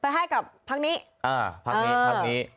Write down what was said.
ไปให้กับภาคนี้